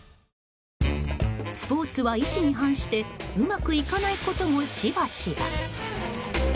スポーツは意思に反してうまくいかないこともしばしば。